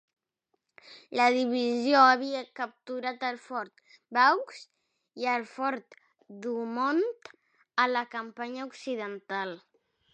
La divisió havia capturat el fort Vaux i el fort Douaumont a la campanya occidental.